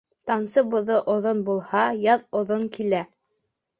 Тамсы боҙо оҙон булһа, яҙ оҙон килә.